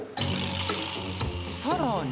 さらに。